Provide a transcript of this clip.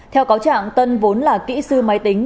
theo cáo trạng tân vốn là kỹ sư máy tính